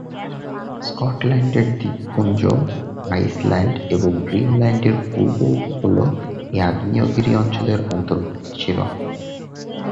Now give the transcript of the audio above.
স্কটল্যান্ডের দ্বীপপুঞ্জ, আইসল্যান্ড এবং গ্রিনল্যান্ডের পূর্ব-উপকূলও এ আগ্নেয়গিরি অঞ্চলের অন্তর্ভুক্ত ছিল।